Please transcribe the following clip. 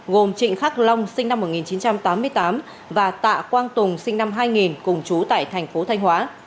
gồm trịnh khắc long sinh năm một nghìn chín trăm tám mươi tám và tạ quang tùng sinh năm hai nghìn cùng chú tại thành phố thanh hóa